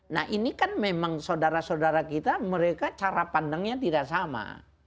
nah ini kan memang saudara saudara kita mereka cara pandangnya tidak sama